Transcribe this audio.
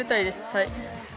はい。